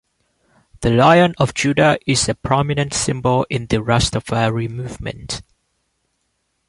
The Lion of Judah is a prominent symbol in the Rastafari movement.